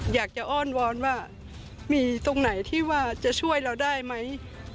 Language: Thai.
อ้อนวอนว่ามีตรงไหนที่ว่าจะช่วยเราได้ไหม